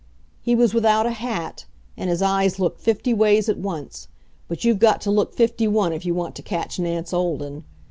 He was without a hat, and his eyes looked fifty ways at once. But you've got to look fifty one if you want to catch Nance Olden.